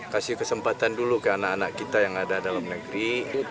kasih kesempatan dulu ke anak anak kita yang ada dalam negeri